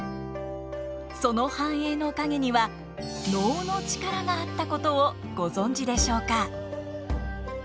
その繁栄の陰には能の力があったことをご存じでしょうか？